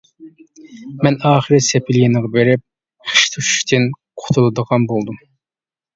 مەن ئاخىرى سېپىل يېنىغا بېرىپ خىش توشۇشتىن قۇتۇلىدىغان بولدۇم.